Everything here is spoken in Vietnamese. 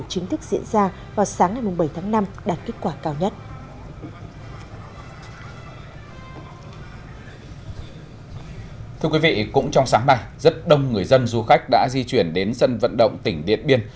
thưa quý vị cũng trong sáng nay rất đông người dân du khách đã di chuyển đến sân vận động tỉnh điện biên